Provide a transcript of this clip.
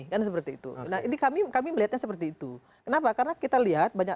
kan seperti itu nah ini kami kami melihatnya seperti itu kenapa karena kita lihat banyak